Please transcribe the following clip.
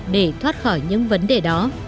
để thoát khỏi những vấn đề đó